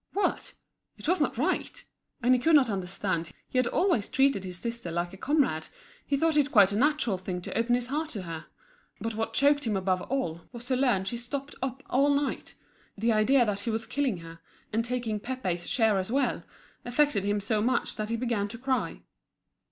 What! it was not right? And he could not understand, he had always treated his sister like a comrade, he thought it quite a natural thing to open his heart to her. But what choked him above all, was to learn she stopped up all night. The idea that he was killing her, and taking Pépé's share as well, affected him so much that he began to cry.